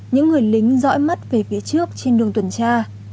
những người lính rõ mắt về phía trước trên đường tuần tra